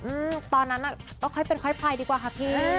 อืมตอนนั้นน่ะก็ค่อยเป็นค่อยไปดีกว่าค่ะพี่